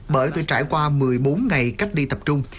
bởi tôi trải qua một mươi bốn ngày cách ly tập trung